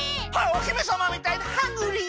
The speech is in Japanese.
おひめさまみたいにハングリー。